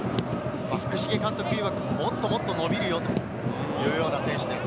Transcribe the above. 福重監督いわく、もっともっと伸びるよというような選手です。